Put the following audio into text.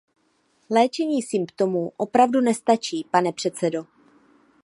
Léčení symptomů opravdu nestačí, pane předsedo.